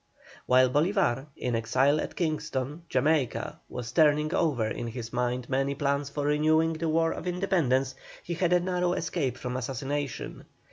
While Bolívar, in exile at Kingston, Jamaica, was turning over in his mind many plans for renewing the War of Independence, he had a narrow escape from assassination.